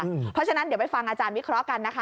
เพราะฉะนั้นเดี๋ยวไปฟังอาจารย์วิเคราะห์กันนะคะ